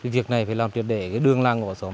việc này phải làm truyền để đường làng của xóm